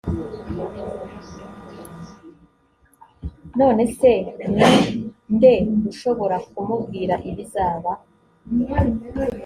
none se ni nde ushobora kumubwira ibizaba